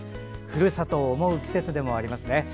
ふるさとを思う季節でもありますね。